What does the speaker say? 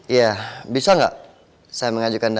iya bisa gak saya mengajukan dana